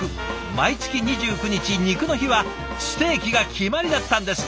毎月２９日ニクの日はステーキが決まりだったんです。